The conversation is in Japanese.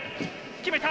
決めた！